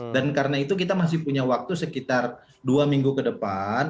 dan karena itu kita masih punya waktu sekitar dua minggu ke depan